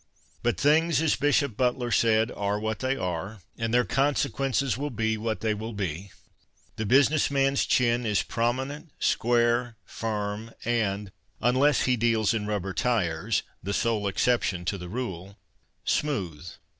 But things, as Bishop Butler said, are what they are and their consequences will be what they will be. The business man's chin is j)rominent, square, firm, and (unless he deals in rubber tires — the sole exception to the ruK) smooth.